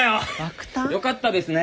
よかったですね！